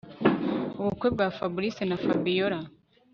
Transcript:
ubukwe bwa Fabric na Fabiora